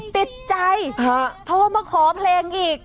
ติดใจโทรมาขอเพลงอีก